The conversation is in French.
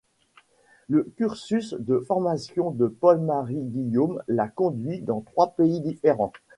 Le cursus de formation de Paul-Marie Guillaume l'a conduit dans trois pays différents.